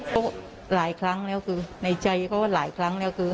ก็หลายครั้งแล้วคือในใจเขาหลายครั้งแล้วคือ